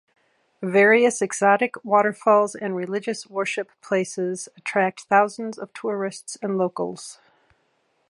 Various exotic waterfalls and religious worship places attract thousands of tourists and locals.